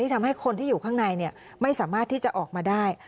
ทำให้คนที่อยู่ข้างในไม่สามารถที่จะออกมาได้